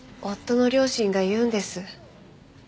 夫の両親が言うんです。